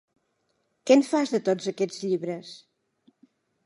Què en fas de tots aquests llibres?